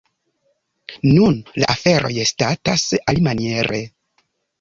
Nun la aferoj statas alimaniere.